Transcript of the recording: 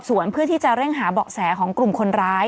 ส่วนเพื่อที่จะเร่งหาเบาะแสของกลุ่มคนร้าย